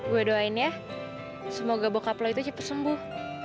gue doain ya semoga bokap lo itu cepet sembuh